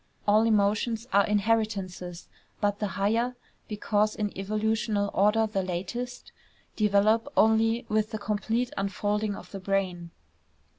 All emotions are inheritances; but the higher, because in evolutional order the latest, develop only with the complete unfolding of the brain.